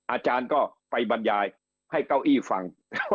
อาจารย์ก็ไปบรรยายให้เก้าอี้ฟัง